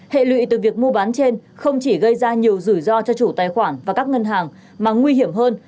hệ lụy từ việc mua bán trên không chỉ gây ra nhiều rủi ro cho chủ tài khoản và các ngân hàng mà nguy hiểm hơn